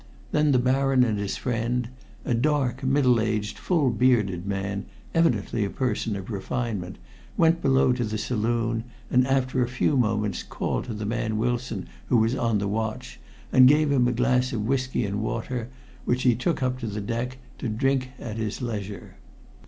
Then the Baron and his friend a dark, middle aged, full bearded man, evidently a person of refinement went below to the saloon, and after a few moments called to the man Wilson who was on the watch, and gave him a glass of whisky and water, which he took up on deck to drink at his leisure.